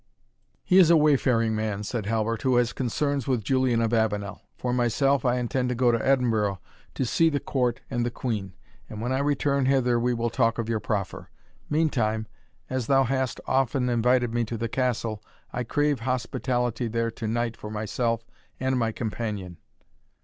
"He is a wayfaring man," said Halbert, "who has concerns with Julian of Avenel. For myself, I intend to go to Edinburgh to see the court and the Queen, and when I return hither we will talk of your proffer. Meantime, as thou hast often invited me to the castle, I crave hospitality there to night for myself and my companion."